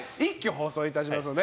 放送いたしますので。